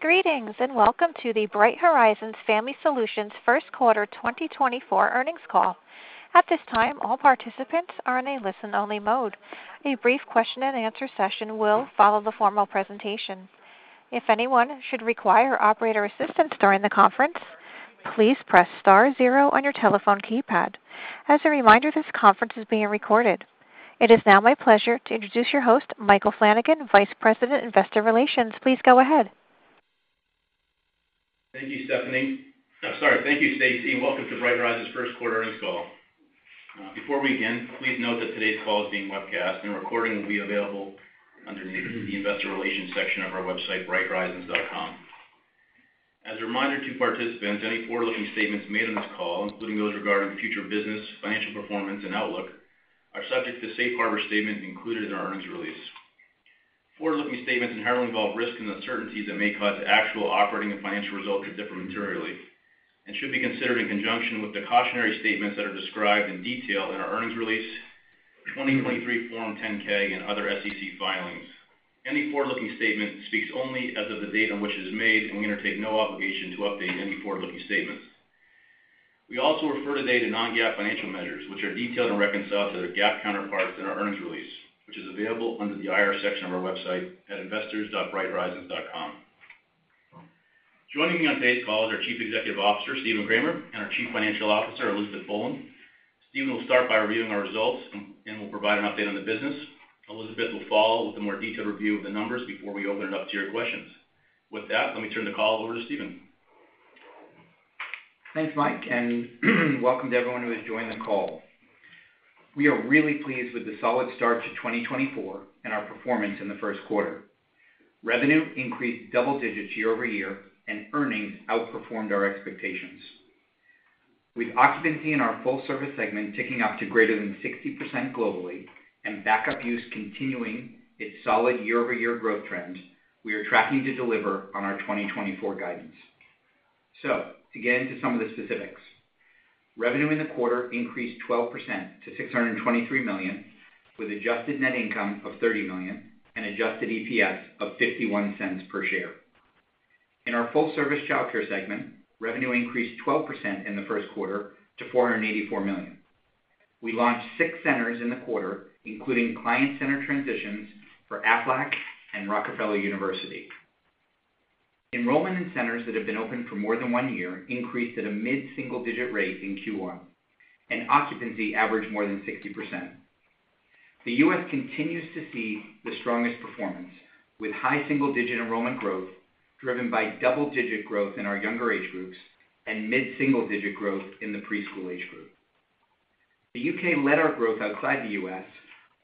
Greetings, and welcome to the Bright Horizons Family Solutions First Quarter 2024 earnings call. At this time, all participants are in a listen-only mode. A brief question-and-answer session will follow the formal presentation. If anyone should require operator assistance during the conference, please press star zero on your telephone keypad. As a reminder, this conference is being recorded. It is now my pleasure to introduce your host, Michael Flanagan, Vice President, Investor Relations. Please go ahead. Thank you, Stephanie. I'm sorry. Thank you, Stacy, and welcome to Bright Horizons' first quarter earnings call. Before we begin, please note that today's call is being webcast, and a recording will be available under the Investor Relations section of our website, brighthorizons.com. As a reminder to participants, any forward-looking statements made on this call, including those regarding future business, financial performance, and outlook, are subject to the safe harbor statement included in our earnings release. Forward-looking statements inherently involve risks and uncertainties that may cause actual operating and financial results to differ materially and should be considered in conjunction with the cautionary statements that are described in detail in our earnings release, 2023 Form 10-K, and other SEC filings. Any forward-looking statement speaks only as of the date on which it is made, and we undertake no obligation to update any forward-looking statements. We also refer today to non-GAAP financial measures, which are detailed and reconciled to their GAAP counterparts in our earnings release, which is available under the IR section of our website at investors.brighthorizons.com. Joining me on today's call is our Chief Executive Officer, Stephen Kramer, and our Chief Financial Officer, Elizabeth Boland. Stephen will start by reviewing our results and will provide an update on the business. Elizabeth will follow with a more detailed review of the numbers before we open it up to your questions. With that, let me turn the call over to Stephen. Thanks, Mike, and welcome to everyone who has joined the call. We are really pleased with the solid start to 2024 and our performance in the first quarter. Revenue increased double digits year-over-year, and earnings outperformed our expectations. With occupancy in our full-service segment ticking up to greater than 60% globally and backup use continuing its solid year-over-year growth trends, we are tracking to deliver on our 2024 guidance. So to get into some of the specifics. Revenue in the quarter increased 12% to $623 million, with adjusted net income of $30 million and adjusted EPS of $0.51 per share. In our full-service childcare segment, revenue increased 12% in the first quarter to $484 million. We launched 6 centers in the quarter, including client-centered transitions for Aflac and Rockefeller University. Enrollment in centers that have been open for more than one year increased at a mid-single-digit rate in Q1, and occupancy averaged more than 60%. The U.S. continues to see the strongest performance, with high single-digit enrollment growth, driven by double-digit growth in our younger age groups and mid-single-digit growth in the preschool age group. The U.K. led our growth outside the U.S.,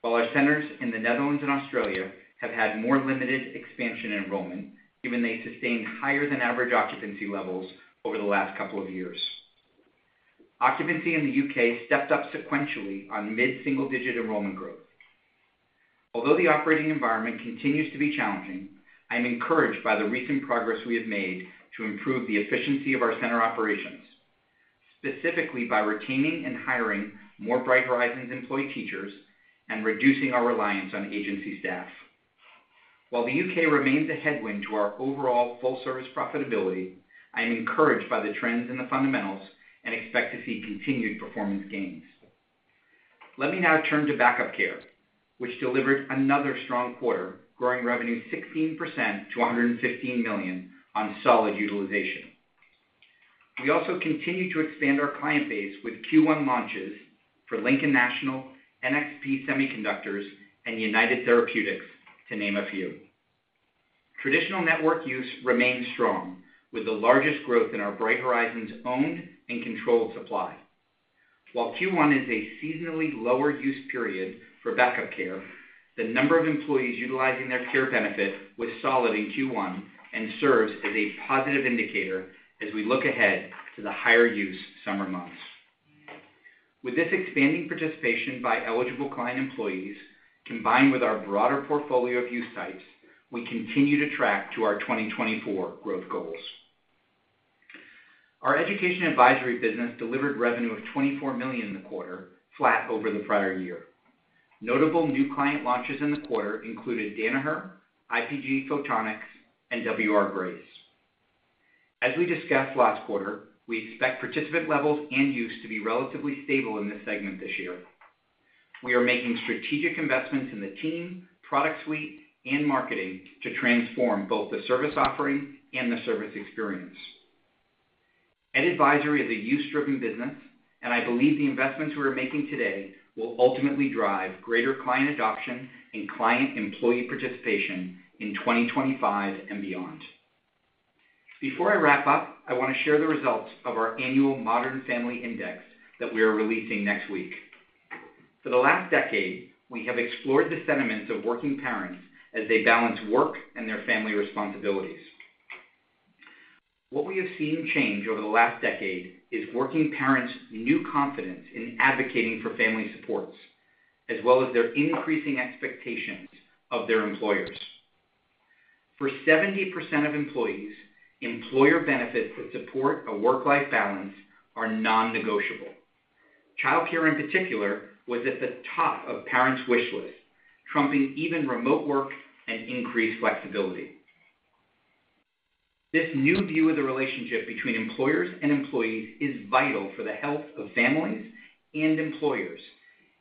while our centers in the Netherlands and Australia have had more limited expansion in enrollment, given they sustained higher than average occupancy levels over the last couple of years. Occupancy in the U.K. stepped up sequentially on mid-single-digit enrollment growth. Although the operating environment continues to be challenging, I'm encouraged by the recent progress we have made to improve the efficiency of our center operations, specifically by retaining and hiring more Bright Horizons employee teachers and reducing our reliance on agency staff. While the U.K. remains a headwind to our overall full-service profitability, I am encouraged by the trends in the fundamentals and expect to see continued performance gains. Let me now turn to backup care, which delivered another strong quarter, growing revenue 16% to $115 million on solid utilization. We also continue to expand our client base with Q1 launches for Lincoln National, NXP Semiconductors, and United Therapeutics, to name a few. Traditional network use remains strong, with the largest growth in our Bright Horizons owned and controlled supply. While Q1 is a seasonally lower use period for backup care, the number of employees utilizing their care benefit was solid in Q1 and serves as a positive indicator as we look ahead to the higher use summer months. With this expanding participation by eligible client employees, combined with our broader portfolio of use sites, we continue to track to our 2024 growth goals. Our education advisory business delivered revenue of $24 million in the quarter, flat over the prior year. Notable new client launches in the quarter included Danaher, IPG Photonics, and W.R. Grace. As we discussed last quarter, we expect participant levels and use to be relatively stable in this segment this year. We are making strategic investments in the team, product suite, and marketing to transform both the service offering and the service experience. Ed Advisory is a use-driven business, and I believe the investments we are making today will ultimately drive greater client adoption and client employee participation in 2025 and beyond. Before I wrap up, I want to share the results of our annual Modern Family Index that we are releasing next week. For the last decade, we have explored the sentiments of working parents as they balance work and their family responsibilities. What we have seen change over the last decade is working parents' new confidence in advocating for family supports, as well as their increasing expectations of their employers. For 70% of employees, employer benefits that support a work-life balance are non-negotiable.... Child care in particular was at the top of parents' wish list, trumping even remote work and increased flexibility. This new view of the relationship between employers and employees is vital for the health of families and employers,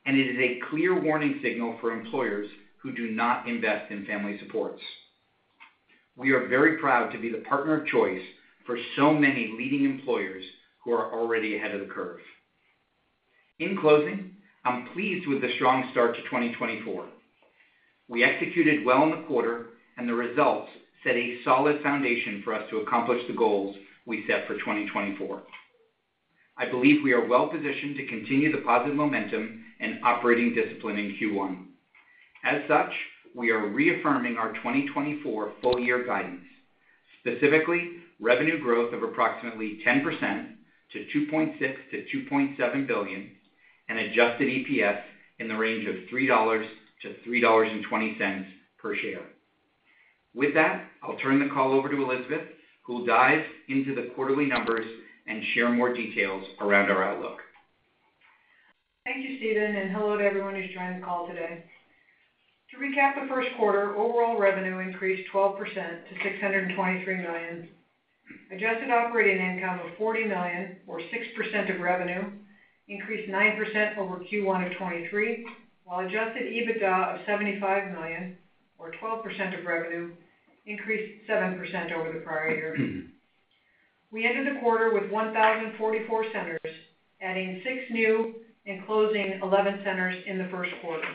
and it is a clear warning signal for employers who do not invest in family supports. We are very proud to be the partner of choice for so many leading employers who are already ahead of the curve. In closing, I'm pleased with the strong start to 2024. We executed well in the quarter, and the results set a solid foundation for us to accomplish the goals we set for 2024. I believe we are well positioned to continue the positive momentum and operating discipline in Q1. As such, we are reaffirming our 2024 full-year guidance, specifically, revenue growth of approximately 10% to $2.6 billion-$2.7 billion, and adjusted EPS in the range of $3-$3.20 per share. With that, I'll turn the call over to Elizabeth, who will dive into the quarterly numbers and share more details around our outlook. Thank you, Stephen, and hello to everyone who's joined the call today. To recap, the first quarter, overall revenue increased 12% to $623 million. Adjusted Operating Income of $40 million, or 6% of revenue, increased 9% over Q1 of 2023, while Adjusted EBITDA of $75 million, or 12% of revenue, increased 7% over the prior year. We ended the quarter with 1,044 centers, adding six new and closing 11 centers in the first quarter.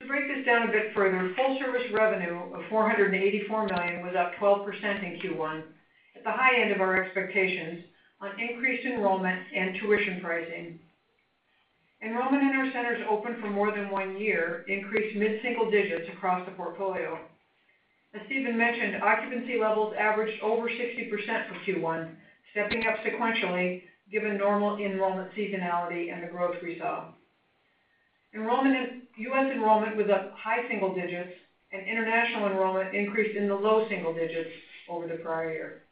To break this down a bit further, full-service revenue of $484 million was up 12% in Q1, at the high end of our expectations on increased enrollment and tuition pricing. Enrollment in our centers open for more than one year increased mid-single digits across the portfolio. As Stephen mentioned, occupancy levels averaged over 60% for Q1, stepping up sequentially, given normal enrollment seasonality and the growth we saw. U.S. enrollment was up high single digits, and international enrollment increased in the low single digits over the prior year.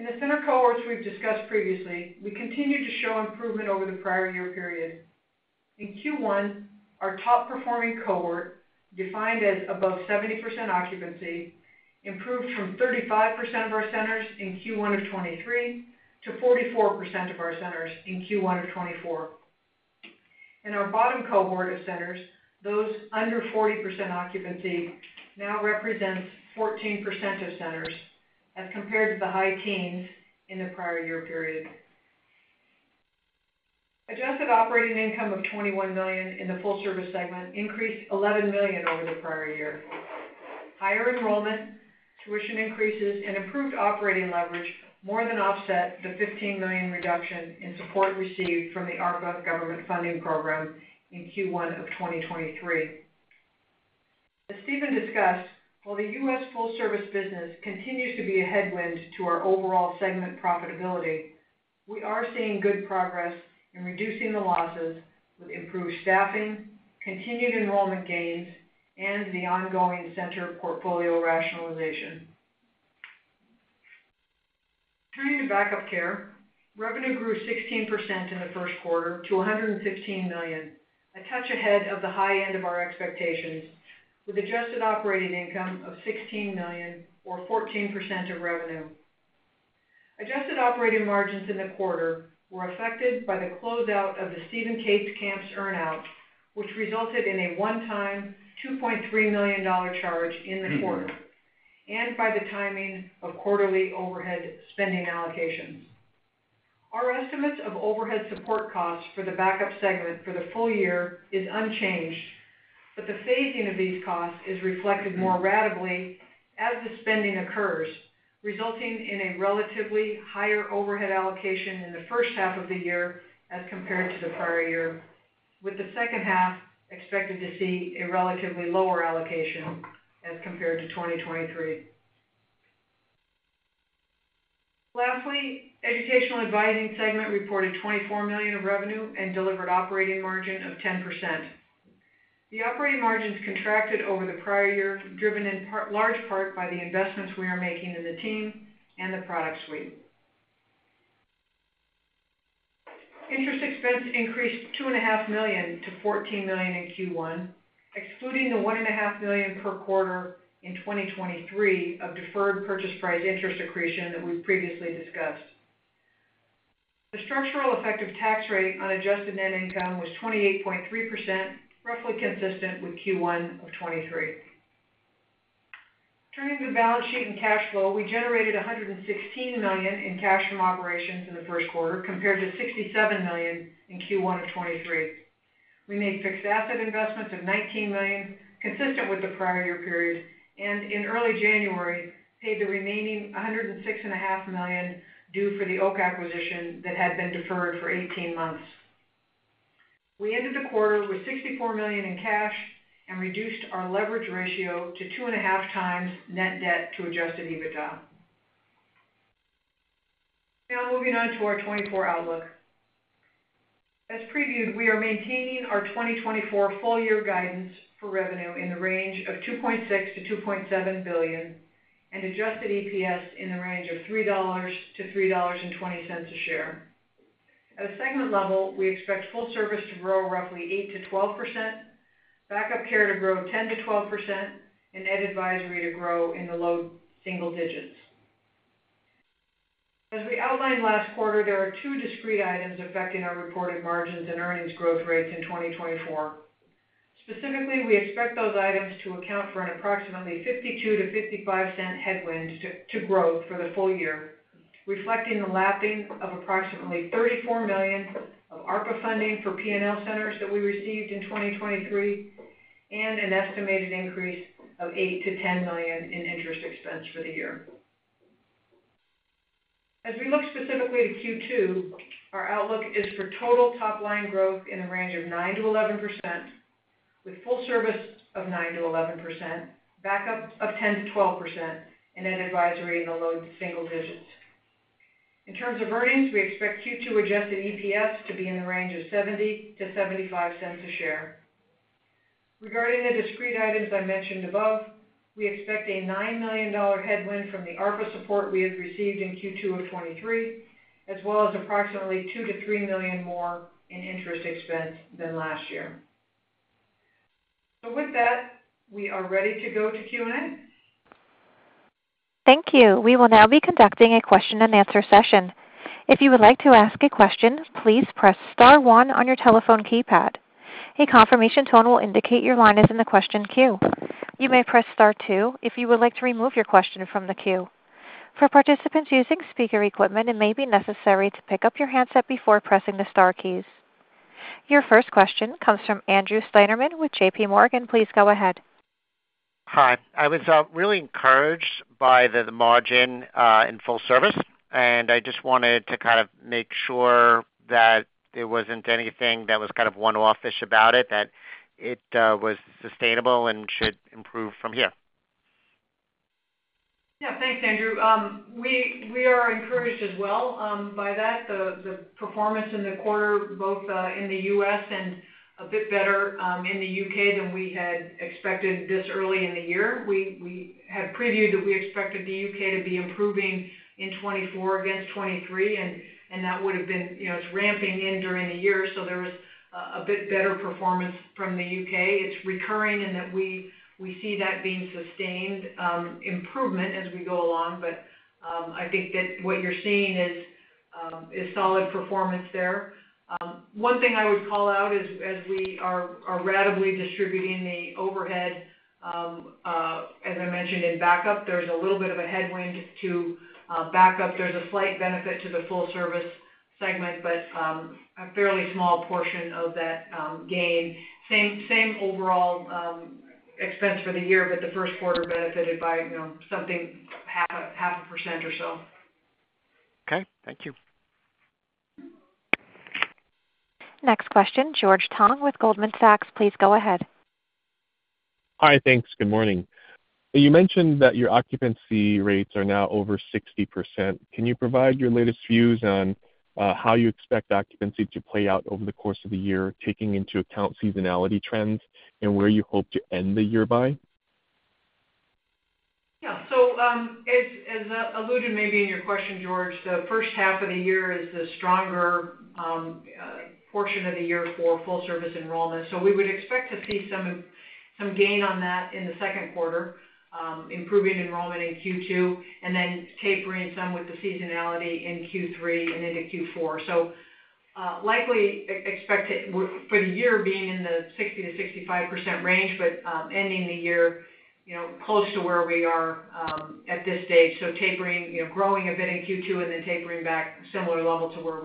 In the center cohorts we've discussed previously, we continued to show improvement over the prior year period. In Q1, our top-performing cohort, defined as above 70% occupancy, improved from 35% of our centers in Q1 of 2023 to 44% of our centers in Q1 of 2024. In our bottom cohort of centers, those under 40% occupancy now represents 14% of centers, as compared to the high teens in the prior year period. Adjusted operating income of $21 million in the full-service segment increased $11 million over the prior year. Higher enrollment, tuition increases, and improved operating leverage more than offset the $15 million reduction in support received from the ARPA government funding program in Q1 of 2023. As Stephen discussed, while the U.S. full-service business continues to be a headwind to our overall segment profitability, we are seeing good progress in reducing the losses with improved staffing, continued enrollment gains, and the ongoing center portfolio rationalization. Turning to backup care, revenue grew 16% in the first quarter to $115 million, a touch ahead of the high end of our expectations, with adjusted operating income of $16 million or 14% of revenue. Adjusted operating margins in the quarter were affected by the closeout of the Steve & Kate's Camps earn-out, which resulted in a one-time, $2.3 million charge in the quarter, and by the timing of quarterly overhead spending allocations. Our estimates of overhead support costs for the backup segment for the full year is unchanged, but the phasing of these costs is reflected more ratably as the spending occurs, resulting in a relatively higher overhead allocation in the first half of the year as compared to the prior year, with the second half expected to see a relatively lower allocation as compared to 2023. Lastly, Educational Advising segment reported $24 million of revenue and delivered operating margin of 10%. The operating margins contracted over the prior year, driven in large part by the investments we are making in the team and the product suite. Interest expense increased $2.5 million to $14 million in Q1, excluding the $1.5 million per quarter in 2023 of deferred purchase price interest accretion that we've previously discussed. The structural effective tax rate on Adjusted Net Income was 28.3%, roughly consistent with Q1 of 2023. Turning to the balance sheet and cash flow, we generated $116 million in cash from operations in the first quarter, compared to $67 million in Q1 of 2023. We made fixed asset investments of $19 million, consistent with the prior year period, and in early January, paid the remaining $106.5 million due for the OAC acquisition that had been deferred for 18 months. We ended the quarter with $64 million in cash and reduced our leverage ratio to 2.5 times net debt to Adjusted EBITDA. Now moving on to our 2024 outlook. As previewed, we are maintaining our 2024 full year guidance for revenue in the range of $2.6 billion-$2.7 billion, and adjusted EPS in the range of $3-$3.20 a share. At a segment level, we expect full service to grow roughly 8%-12%, backup care to grow 10%-12%, and Ed Advisory to grow in the low single digits. As we outlined last quarter, there are two discrete items affecting our reported margins and earnings growth rates in 2024. Specifically, we expect those items to account for an approximately $0.52-$0.55 headwind to growth for the full year, reflecting the lapping of approximately $34 million of ARPA funding for P&L centers that we received in 2023, and an estimated increase of $8 million-$10 million in interest expense for the year. As we look specifically to Q2, our outlook is for total top line growth in a range of 9%-11%, with full service of 9%-11%, backup of 10%-12%, and Ed Advisory in the low single digits. In terms of earnings, we expect Q2 adjusted EPS to be in the range of $0.70-$0.75 a share. Regarding the discrete items I mentioned above, we expect a $9 million headwind from the ARPA support we had received in Q2 of 2023, as well as approximately $2 million-$3 million more in interest expense than last year. So with that, we are ready to go to Q&A. Thank you. We will now be conducting a question and answer session. If you would like to ask a question, please press star one on your telephone keypad. A confirmation tone will indicate your line is in the question queue. You may press star two if you would like to remove your question from the queue. For participants using speaker equipment, it may be necessary to pick up your handset before pressing the star keys. Your first question comes from Andrew Steinerman with J.P. Morgan. Please go ahead. Hi. I was really encouraged by the margin in full service, and I just wanted to kind of make sure that there wasn't anything that was kind of one-offish about it, that it was sustainable and should improve from here. Yeah, thanks, Andrew. We are encouraged as well by that. The performance in the quarter, both in the U.S. and a bit better in the U.K. than we had expected this early in the year. We had previewed that we expected the U.K. to be improving in 2024 against 2023, and that would have been, you know, it's ramping in during the year, so there was a bit better performance from the U.K. It's recurring in that we see that being sustained improvement as we go along, but I think that what you're seeing is solid performance there. One thing I would call out is, as we are ratably distributing the overhead, as I mentioned in backup, there's a little bit of a headwind to backup. There's a slight benefit to the full service segment, but a fairly small portion of that gain. Same overall expense for the year, but the first quarter benefited by, you know, something 0.5% or so. Okay. Thank you. Next question, George Tong with Goldman Sachs. Please go ahead. Hi, thanks. Good morning. You mentioned that your occupancy rates are now over 60%. Can you provide your latest views on how you expect occupancy to play out over the course of the year, taking into account seasonality trends and where you hope to end the year by? Yeah. So, as alluded maybe in your question, George, the first half of the year is the stronger portion of the year for full service enrollment. So we would expect to see some gain on that in the second quarter, improving enrollment in Q2, and then tapering some with the seasonality in Q3 and into Q4. So, likely expect it for the year being in the 60%-65% range, but, ending the year, you know, close to where we are at this stage. So tapering, you know, growing a bit in Q2 and then tapering back similar level to where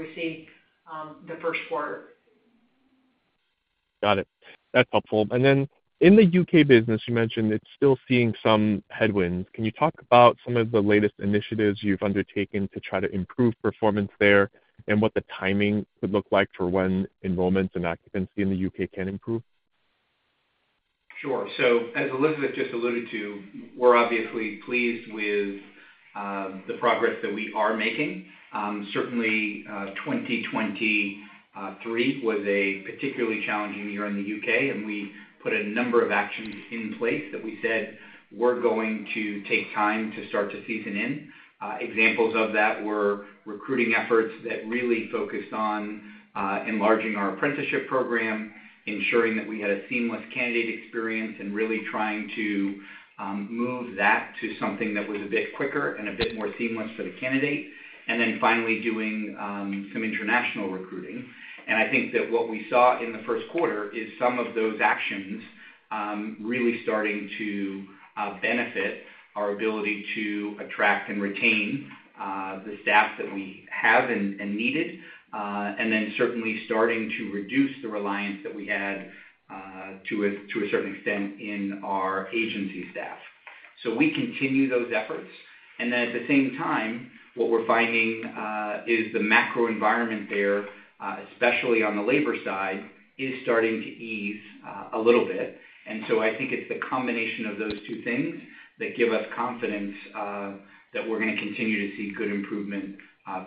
we see the first quarter. Got it. That's helpful. Then in the U.K. business, you mentioned it's still seeing some headwinds. Can you talk about some of the latest initiatives you've undertaken to try to improve performance there and what the timing would look like for when enrollments and occupancy in the U.K. can improve? Sure. So as Elizabeth just alluded to, we're obviously pleased with the progress that we are making. Certainly, 2023 was a particularly challenging year in the U.K., and we put a number of actions in place that we said were going to take time to start to season in. Examples of that were recruiting efforts that really focused on enlarging our apprenticeship program, ensuring that we had a seamless candidate experience, and really trying to move that to something that was a bit quicker and a bit more seamless for the candidate, and then finally doing some international recruiting. I think that what we saw in the first quarter is some of those actions really starting to benefit our ability to attract and retain the staff that we have and needed, and then certainly starting to reduce the reliance that we had to a certain extent in our agency staff. We continue those efforts. At the same time, what we're finding is the macro environment there especially on the labor side is starting to ease a little bit. So I think it's the combination of those two things that give us confidence that we're gonna continue to see good improvement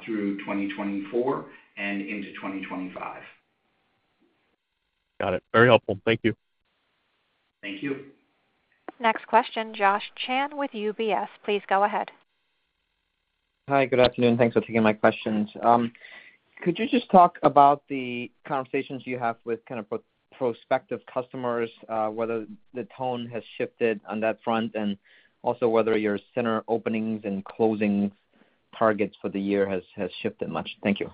through 2024 and into 2025. Got it. Very helpful. Thank you. Thank you. Next question, Josh Chan with UBS, please go ahead. Hi, good afternoon. Thanks for taking my questions. Could you just talk about the conversations you have with kind of prospective customers, whether the tone has shifted on that front, and also whether your center openings and closing targets for the year has shifted much? Thank you.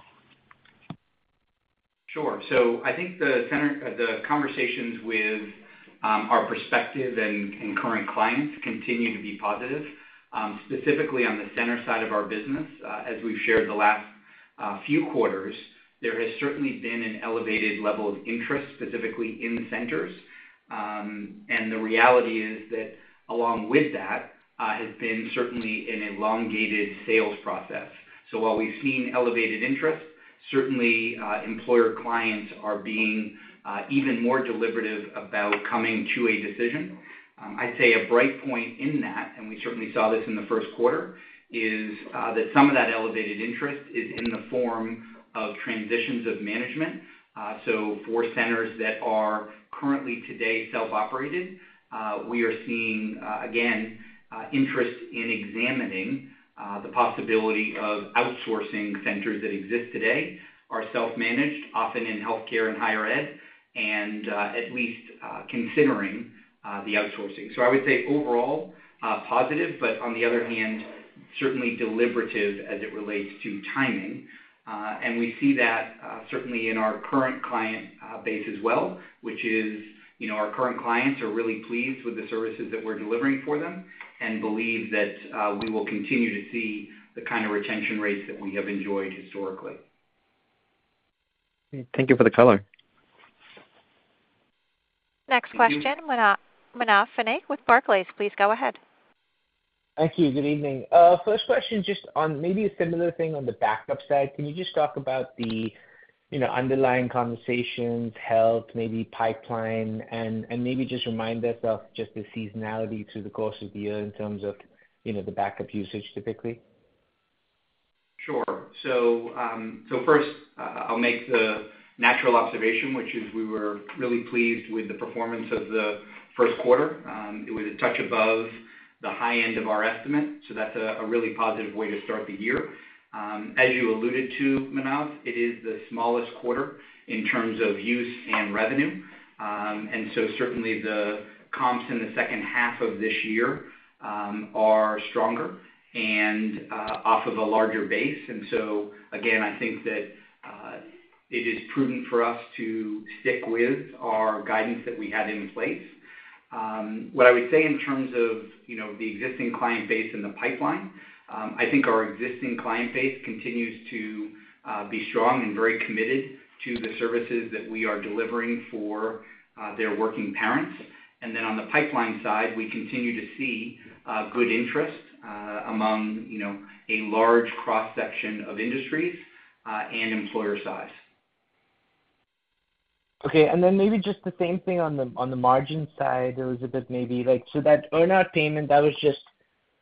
Sure. So I think the center, the conversations with, our prospective and current clients continue to be positive. Specifically on the center side of our business, as we've shared the last, few quarters, there has certainly been an elevated level of interest, specifically in the centers. And the reality is that along with that, has been certainly an elongated sales process. So while we've seen elevated interest, certainly, employer clients are being, even more deliberative about coming to a decision. I'd say a bright point in that, and we certainly saw this in the first quarter, is, that some of that elevated interest is in the form of transitions of management. So for centers that are currently today, self-operated, we are seeing, again, interest in examining, the possibility of outsourcing centers that exist today, are self-managed, often in healthcare and higher ed, and, at least, considering, the outsourcing. I would say overall, positive, but on the other hand, certainly deliberative as it relates to timing. We see that, certainly in our current client, base as well, which is, you know, our current clients are really pleased with the services that we're delivering for them, and believe that, we will continue to see the kind of retention rates that we have enjoyed historically. Thank you for the color. Next question. Manav Patnaik with Barclays, please go ahead. Thank you. Good evening. First question, just on maybe a similar thing on the backup side. Can you just talk about the, you know, underlying conversations, health, maybe pipeline, and maybe just remind us of just the seasonality through the course of the year in terms of, you know, the backup usage typically? Sure. So, so first, I'll make the natural observation, which is we were really pleased with the performance of the first quarter. It was a touch above the high end of our estimate, so that's a really positive way to start the year. As you alluded to, Manav, it is the smallest quarter in terms of use and revenue. And so certainly the comps in the second half of this year are stronger and, off of a larger base. And so again, I think that, it is prudent for us to stick with our guidance that we had in place. What I would say in terms of, you know, the existing client base and the pipeline, I think our existing client base continues to be strong and very committed to the services that we are delivering for their working parents. And then on the pipeline side, we continue to see good interest among, you know, a large cross-section of industries and employer size. Okay, and then maybe just the same thing on the, on the margin side, Elizabeth, maybe. Like, so that earnout payment, that was just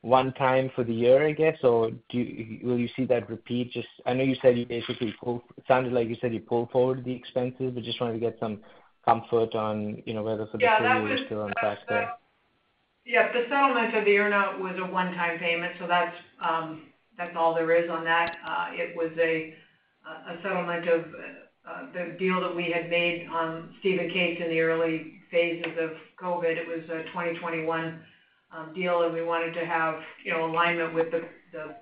one time for the year, I guess, or do you- will you see that repeat? Just I know you said you basically pulled... It sounded like you said you pulled forward the expenses, but just wanted to get some comfort on, you know, whether the- Yeah, that was- Still on track there. Yeah, the settlement of the earnout was a one-time payment, so that's all there is on that. It was a settlement of the deal that we had made on Steve & Kate's in the early phases of COVID. It was a 2021 deal, and we wanted to have, you know, alignment with the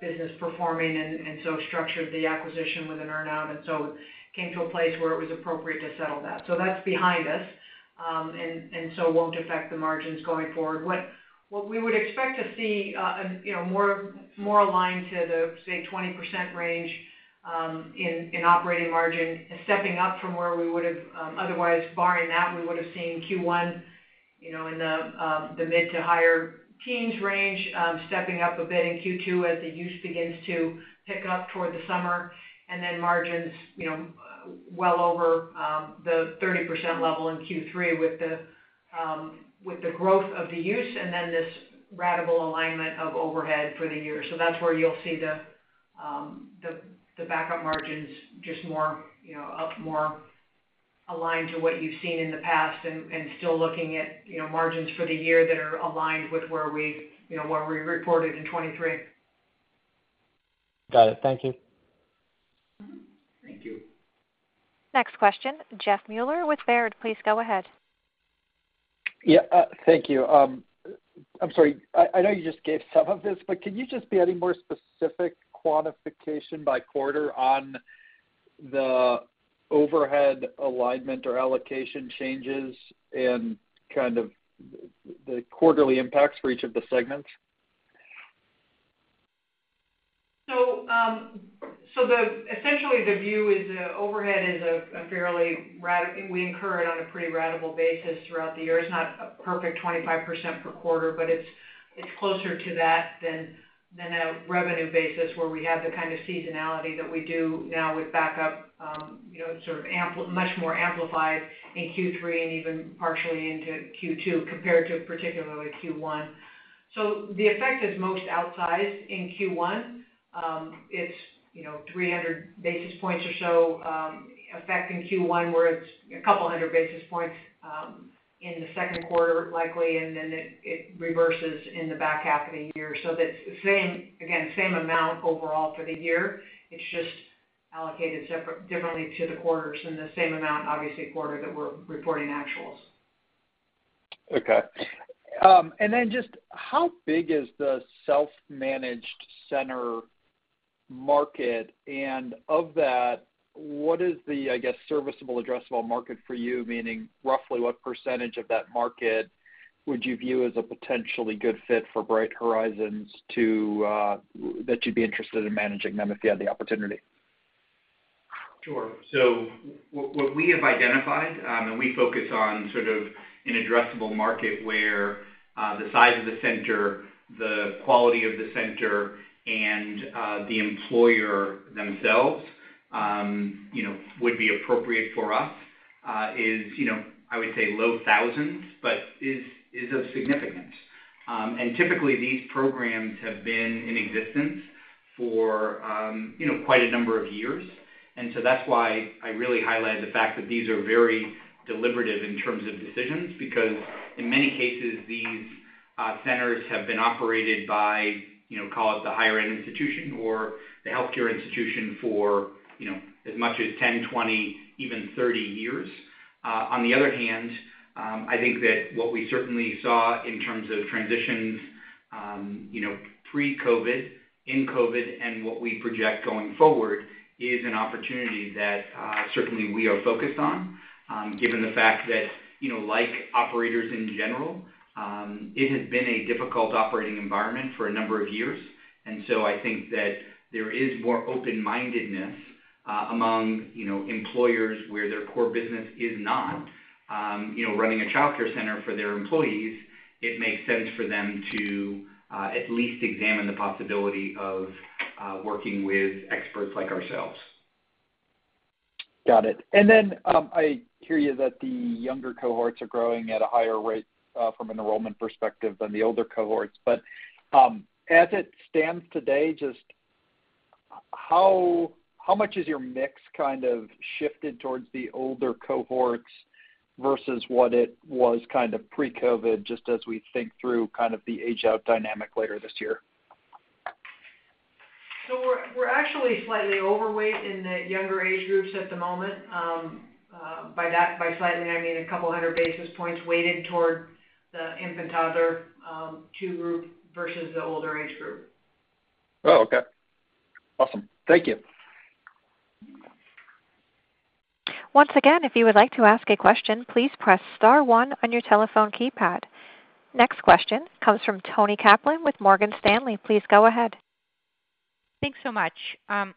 business performing and so structured the acquisition with an earnout, and so came to a place where it was appropriate to settle that. So that's behind us, and so won't affect the margins going forward. What we would expect to see, you know, more aligned to the, say, 20% range, in operating margin, stepping up from where we would've otherwise, barring that, we would've seen Q1, you know, in the mid- to high-teens range, stepping up a bit in Q2 as the use begins to pick up toward the summer, and then margins, you know, well over the 30% level in Q3 with the growth of the use, and then this ratable alignment of overhead for the year. So that's where you'll see the backup margins, just more, you know, up more aligned to what you've seen in the past and still looking at, you know, margins for the year that are aligned with where we, you know, where we reported in 2023. Got it. Thank you. Thank you. Next question, Jeff Meuler with Baird. Please go ahead. Yeah, thank you. I'm sorry, I know you just gave some of this, but can you just be any more specific quantification by quarter on the overhead alignment or allocation changes and kind of the quarterly impacts for each of the segments? So, essentially, the view is, overhead is a fairly... we incur it on a pretty ratable basis throughout the year. It's not a perfect 25% per quarter, but it's closer to that than a revenue basis, where we have the kind of seasonality that we do now with backup, you know, sort of much more amplified in Q3 and even partially into Q2, compared to particularly Q1. So the effect is most outsized in Q1. It's, you know, 300 basis points or so, affecting Q1, where it's a couple hundred basis points in the second quarter, likely, and then it reverses in the back half of the year. So that's the same, again, same amount overall for the year. It's just allocated differently to the quarters in the same amount, obviously, quarter that we're reporting actuals. Okay. And then just how big is the self-managed center market? And of that, what is the, I guess, serviceable, addressable market for you? Meaning, roughly what percentage of that market would you view as a potentially good fit for Bright Horizons to, that you'd be interested in managing them if you had the opportunity? Sure. So what we have identified, and we focus on sort of an addressable market where, the size of the center, the quality of the center, and, the employer themselves, you know, would be appropriate for us, is, you know, I would say low thousands, but is, is of significance. And typically, these programs have been in existence for, you know, quite a number of years. And so that's why I really highlight the fact that these are very deliberative in terms of decisions, because in many cases, these, centers have been operated by, you know, call it the higher ed institution or the healthcare institution for, you know, as much as 10, 20, even 30 years. On the other hand, I think that what we certainly saw in terms of transitions, you know, pre-COVID, in COVID, and what we project going forward, is an opportunity that certainly we are focused on, given the fact that, you know, like operators in general, it has been a difficult operating environment for a number of years. And so I think that there is more open-mindedness among, you know, employers where their core business is not, you know, running a childcare center for their employees. It makes sense for them to at least examine the possibility of working with experts like ourselves. Got it. And then, I hear you that the younger cohorts are growing at a higher rate, from an enrollment perspective than the older cohorts. But, as it stands today, just how much has your mix kind of shifted towards the older cohorts versus what it was kind of pre-COVID, just as we think through kind of the age-out dynamic later this year? So we're actually slightly overweight in the younger age groups at the moment. By that, by slightly, I mean a couple hundred basis points weighted toward the infant, toddler, two group versus the older age group. Oh, okay. Awesome. Thank you. Once again, if you would like to ask a question, please press star one on your telephone keypad. Next question comes from Toni Kaplan with Morgan Stanley. Please go ahead. Thanks so much. I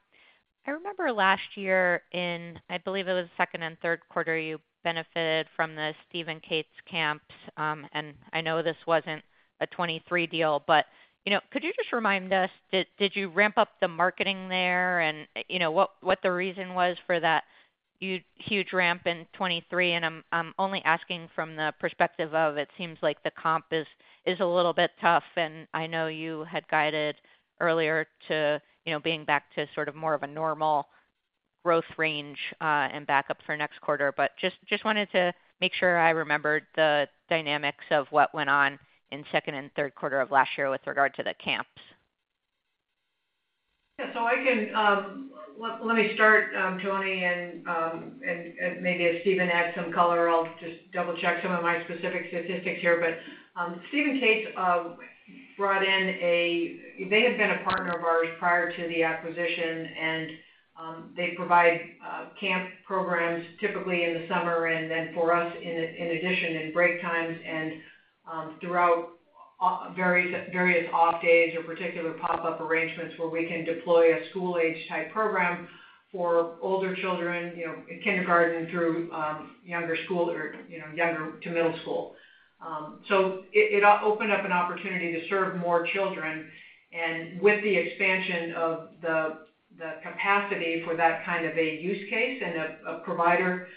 remember last year in, I believe it was second and third quarter, you benefited from the Steve & Kate's camps, and I know this wasn't a 2023 deal, but, you know, could you just remind us, did you ramp up the marketing there? And, you know, what the reason was for that huge ramp in 2023? And I'm only asking from the perspective of, it seems like the comp is a little bit tough, and I know you had guided earlier to, you know, being back to sort of more of a normal growth range, and back up for next quarter. But just wanted to make sure I remembered the dynamics of what went on in second and third quarter of last year with regard to the camps. Yeah, so let me start, Toni, and maybe if Stephen adds some color, I'll just double-check some of my specific statistics here. But, Steve & Kate's brought in a. They had been a partner of ours prior to the acquisition, and they provide camp programs typically in the summer, and then for us, in addition, in break times and throughout various off days or particular pop-up arrangements where we can deploy a school-age type program for older children, you know, in kindergarten through younger school or, you know, younger to middle school. So it opened up an opportunity to serve more children. And with the expansion of the capacity for that kind of a use case and a provider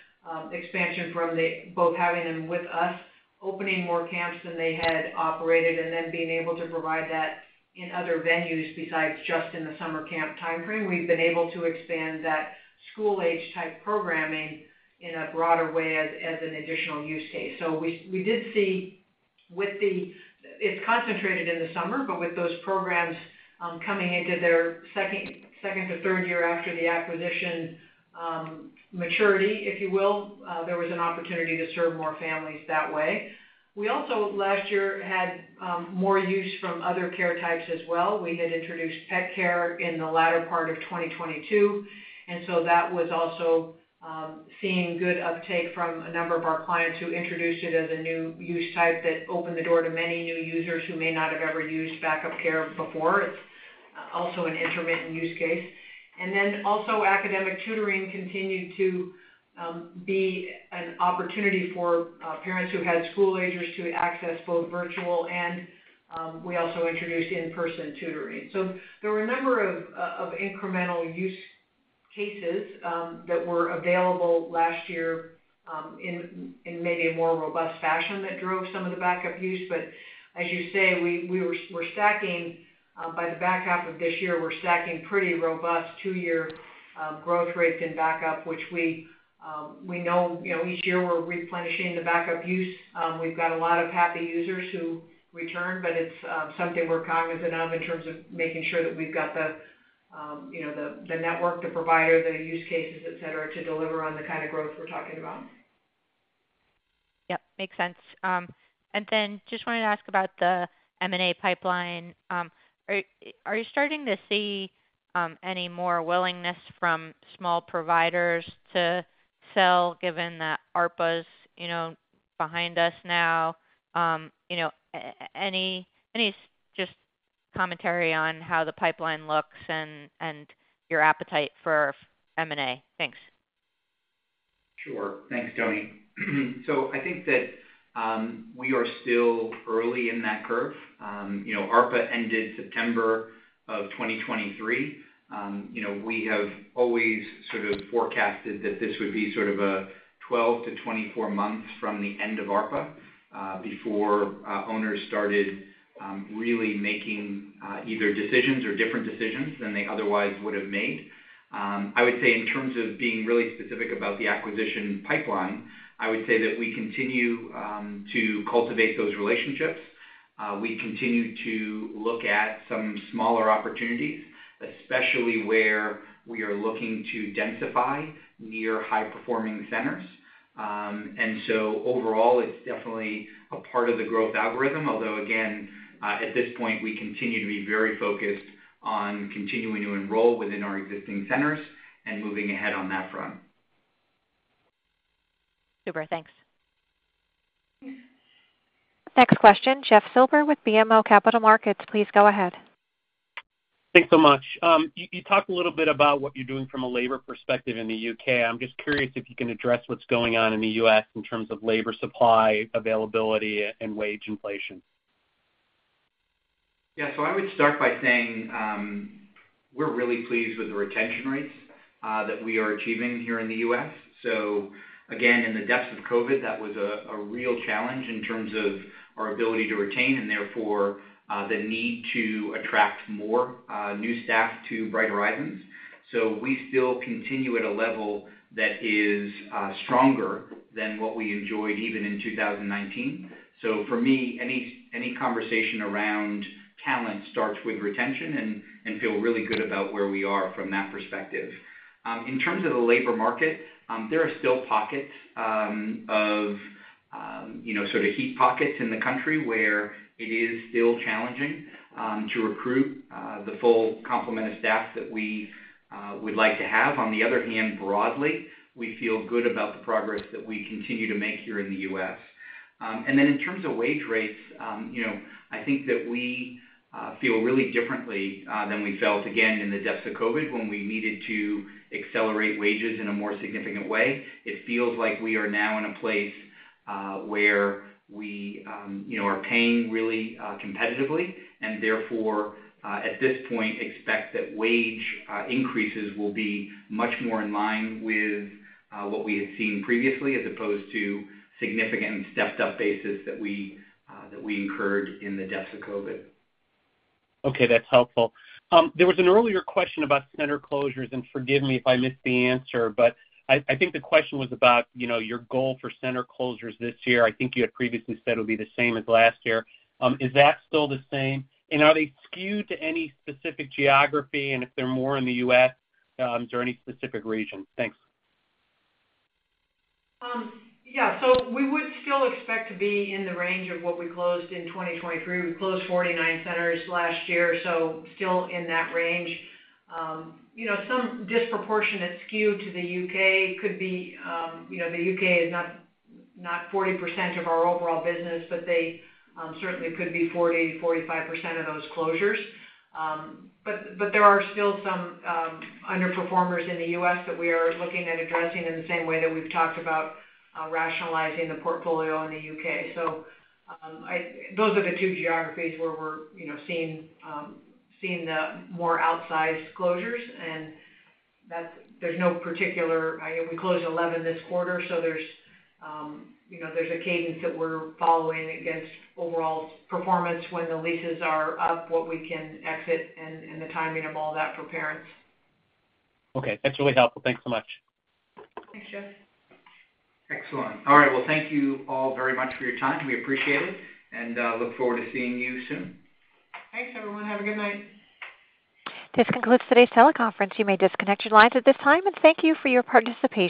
expansion from the... Both having them with us, opening more camps than they had operated, and then being able to provide that in other venues besides just in the summer camp timeframe, we've been able to expand that school-age type programming in a broader way as an additional use case. So we did see with the. It's concentrated in the summer, but with those programs coming into their second to third year after the acquisition, maturity, if you will, there was an opportunity to serve more families that way. We also, last year, had more use from other care types as well. We had introduced pet care in the latter part of 2022, and so that was also seeing good uptake from a number of our clients who introduced it as a new use type that opened the door to many new users who may not have ever used backup care before. It's also an intermittent use case. And then also, academic tutoring continued to be an opportunity for parents who had school-agers to access both virtual and we also introduced in-person tutoring. So there were a number of incremental use cases that were available last year in maybe a more robust fashion that drove some of the backup use. But as you say, we're stacking, by the back half of this year, we're stacking pretty robust two-year growth rates in backup, which we, we know, you know, each year we're replenishing the backup use. We've got a lot of happy users who return, but it's something we're cognizant of in terms of making sure that we've got the, you know, the network, the provider, the use cases, et cetera, to deliver on the kind of growth we're talking about. Yep, makes sense. And then just wanted to ask about the M&A pipeline. Are you starting to see any more willingness from small providers to sell, given that ARPA's, you know, behind us now? You know, any just commentary on how the pipeline looks and your appetite for M&A? Thanks. Sure. Thanks, Toni. So I think that, we are still early in that curve. You know, ARPA ended September of 2023. You know, we have always sort of forecasted that this would be sort of a 12 months-24 months from the end of ARPA, before, owners started, really making, either decisions or different decisions than they otherwise would have made. I would say in terms of being really specific about the acquisition pipeline, I would say that we continue, to cultivate those relationships. We continue to look at some smaller opportunities, especially where we are looking to densify near high-performing centers. And so overall, it's definitely a part of the growth algorithm, although again, at this point, we continue to be very focused on continuing to enroll within our existing centers and moving ahead on that front. Super, thanks. Next question, Jeff Silber with BMO Capital Markets. Please go ahead. Thanks so much. You talked a little bit about what you're doing from a labor perspective in the U.K. I'm just curious if you can address what's going on in the U.S. in terms of labor supply, availability, and wage inflation? Yeah, so I would start by saying, we're really pleased with the retention rates that we are achieving here in the U.S. So again, in the depths of COVID, that was a real challenge in terms of our ability to retain and therefore the need to attract more new staff to Bright Horizons. So we still continue at a level that is stronger than what we enjoyed even in 2019. So for me, any conversation around talent starts with retention and feel really good about where we are from that perspective. In terms of the labor market, there are still pockets of you know, sort of heat pockets in the country where it is still challenging to recruit the full complement of staff that we would like to have. On the other hand, broadly, we feel good about the progress that we continue to make here in the U.S. And then in terms of wage rates, you know, I think that we feel really differently than we felt, again, in the depths of COVID, when we needed to accelerate wages in a more significant way. It feels like we are now in a place where we, you know, are paying really competitively, and therefore, at this point, expect that wage increases will be much more in line with what we had seen previously, as opposed to significant and stepped-up basis that we incurred in the depths of COVID. Okay, that's helpful. There was an earlier question about center closures, and forgive me if I missed the answer, but I think the question was about, you know, your goal for center closures this year. I think you had previously said it would be the same as last year. Is that still the same? And are they skewed to any specific geography, and if they're more in the U.S., is there any specific region? Thanks. Yeah. So we would still expect to be in the range of what we closed in 2023. We closed 49 centers last year, so still in that range. You know, some disproportionate skew to the U.K. could be, you know, the U.K. is not 40% of our overall business, but they certainly could be 40%-45% of those closures. But there are still some underperformers in the US that we are looking at addressing in the same way that we've talked about rationalizing the portfolio in the U.K.. So, those are the two geographies where we're, you know, seeing the more outsized closures, and that's. There's no particular... We closed 11 this quarter, so there's, you know, there's a cadence that we're following against overall performance when the leases are up, what we can exit and, and the timing of all that for parents. Okay, that's really helpful. Thanks so much. Thanks, Jeff. Excellent. All right, well, thank you all very much for your time. We appreciate it, and look forward to seeing you soon. Thanks, everyone. Have a good night. This concludes today's teleconference. You may disconnect your lines at this time, and thank you for your participation.